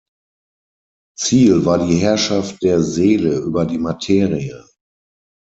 Ziel war die Herrschaft der Seele über die Materie.